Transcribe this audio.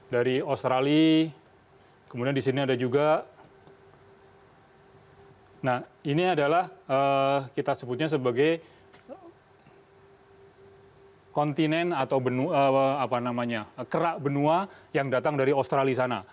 dari australia kemudian di sini ada juga nah ini adalah kita sebutnya sebagai kontinen atau kerak benua yang datang dari australia sana